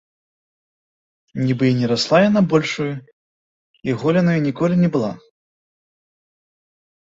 Нібы і не расла яна большаю, і голенаю ніколі не была.